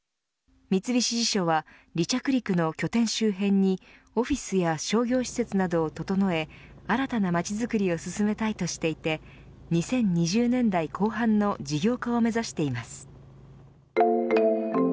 三菱地所は離着陸の拠点周辺にオフィスや商業施設などを整え新たな街づくりを進めたいとしていて２０２０年代後半の事業化を目指しています。